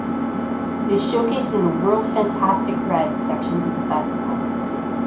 It is showcased in the World Fantastic Red sections of the festival.